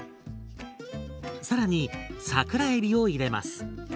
更に桜えびを入れます。